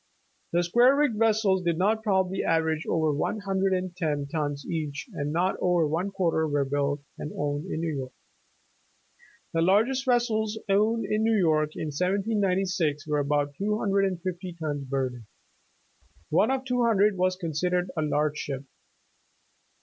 The square rigged vessels did not probably average over one hundred and ten tons each and not over one quarter were built and owned in New York. The largest vessels owned in New York in 1796 were about two hundred and fifty tons burden. One of two hundred was considered a large ship."